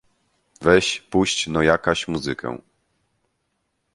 Weź puść no jakaś muzykę.